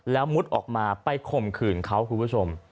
แล้วมุดออกมาไปข่มขืนเขาคุณผู้ชม